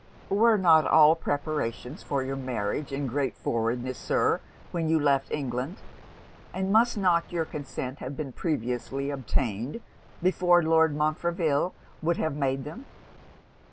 'Were not all preparations for your marriage in great forwardness, Sir, when you left England? and must not your consent have been previously obtained before Lord Montreville would have made them?